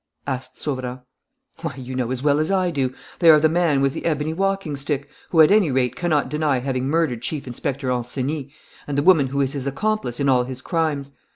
asked Sauverand. "Why, you know as well as I do: they are the man with the ebony walking stick, who at any rate cannot deny having murdered Chief Inspector Ancenis, and the woman who is his accomplice in all his crimes.